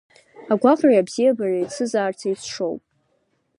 Агәаҟреи абзиабареи еицызаарц еицшоуп.